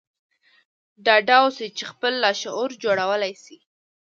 ډاډه اوسئ چې خپل لاشعور جوړولای شئ